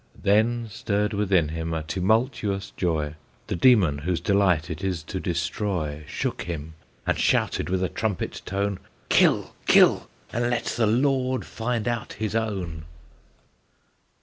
Then stirred within him a tumultuous joy; The demon whose delight is to destroy Shook him, and shouted with a trumpet tone, "Kill! kill! and let the Lord find out his own!"